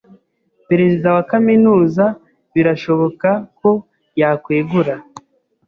Perezida wa kaminuza birashoboka ko yakwegura.